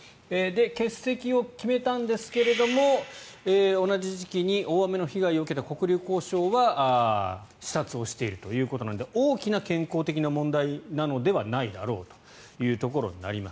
欠席を決めたんですけど同じ時期に大雨の被害を受けた黒竜江省は視察をしているということなので大きな健康的な問題ではないのだろうというところになります。